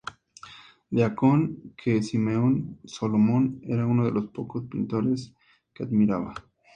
Deacon que Simeon Solomon era uno de los pocos pintores que admiraba.